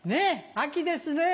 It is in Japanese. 秋ですねぇ。